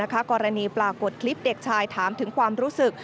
กรณีปรากฏคลิปเด็กชายถามถึงความรู้สึก